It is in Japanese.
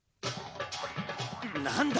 なんだ？